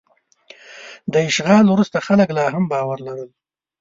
د اشغال وروسته خلک لا هم باور لرل.